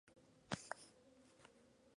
Todas las canciones escritas por The Mission.